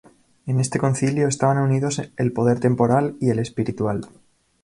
En este Concilio estaban unidos el poder temporal y el espiritual.